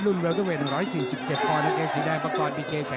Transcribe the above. รุ่นเวิร์ดก็เป็น๑๔๗ปอนด์น้ำเงินสีแดงประกอด